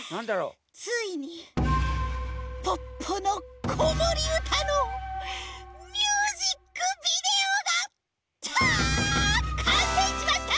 ついに「ポッポのこもりうた」のミュージックビデオがかんせいしました！